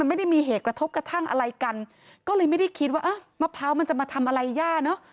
ไม่ได้มีเหตุกระทบกระทั่งอะไรกันก็เลยไม่ได้คิดว่าเออมะพร้าวมันจะมาทำอะไรย่าเนอะ